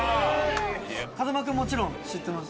風間君もちろん知ってます？